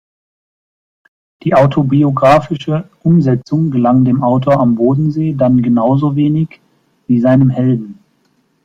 Die autobiografische Umsetzung gelang dem Autor am Bodensee dann genauso wenig wie seinem Helden.